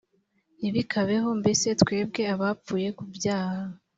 ntibikabeho mbese twebwe abapfuye ku byaha